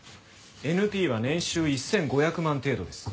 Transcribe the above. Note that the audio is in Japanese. ＮＰは年収１５００万程度です。